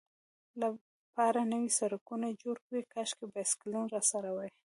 لپاره نوي سړکونه جوړ کړي، کاشکې بایسکلونه راسره وای.